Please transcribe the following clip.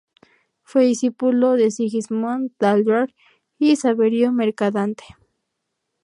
Fue discípulo de Sigismund Thalberg y Saverio Mercadante.